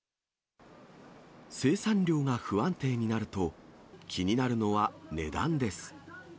生産量が不安定になると、気になるのは値段です。